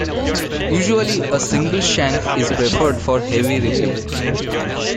Usually, a single shank is preferred for heavy ripping.